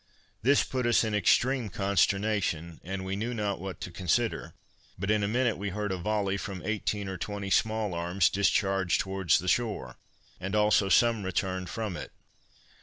This put us in extreme consternation, and we knew not what to consider; but in a minute we heard a volley from eighteen or twenty small arms, discharged towards the shore, and also some returned from it.